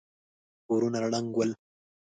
کورونه ړنګ ول.